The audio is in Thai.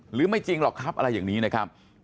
หรือไม่จริงหรอกครับอะไรอย่างนี้นะครับ